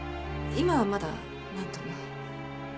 今はまだなんとも。